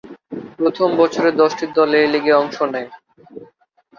প্রথম বছরে দশটি দল এই লিগে অংশ নেয়।